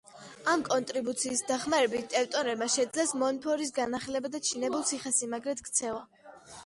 ამ კონტრიბუციის დახმარებით ტევტონებმა შეძლეს მონფორის განახლება და ჩინებულ ციხესიმაგრედ ქცევა.